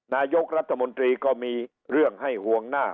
นายกรัฐมนตรีก็มีเรื่องให้ห่วงหน้า